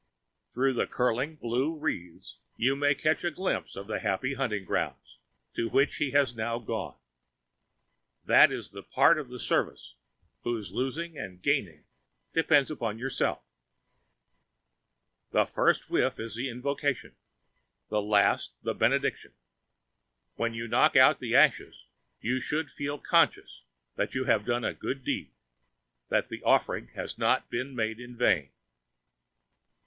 Through the curling blue wreaths you may catch a glimpse of the happy hunting grounds to which he has now gone. That is the part of the service whose losing or gaining depends upon yourself. The first whiff is the invocation, the last the benediction. When you knock out the ashes you should feel conscious that you have done a good deed, that the offering has not been made in vain.